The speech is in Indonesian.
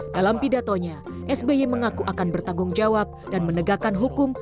dalam pidatonya sby mengaku akan bertanggung jawab dan menegakkan hukum